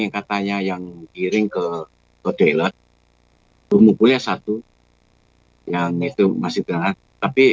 supaya tidak terjadi lagi dan tidak ditutupi